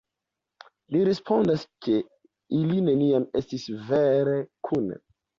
Li respondas ke ili neniam estis vere kune.